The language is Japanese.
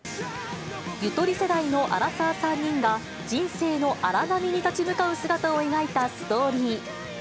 ゆとり世代のアラサー３人が、人生の荒波に立ち向かう姿を描いたストーリー。